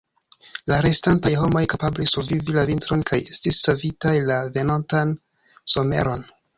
La restantaj homoj kapablis survivi la vintron, kaj estis savitaj la venontan someron.